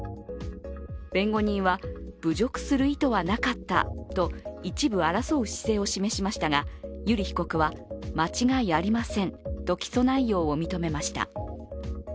弁護人、侮辱する意図はなかったと一部争う姿勢を示しましたが油利被告は、間違いありませんと起訴内容を認めました。